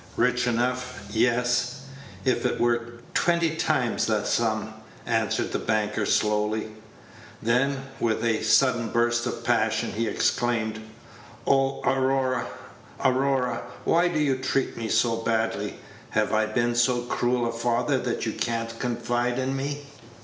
"Rich enough! Yes, if it were twenty times the sum," answered the banker, slowly. Then, with a sudden burst of passion, he exclaimed, "Oh, Aurora, Aurora, why do you treat me so badly? Have I been so cruel a father that you can't confide in me.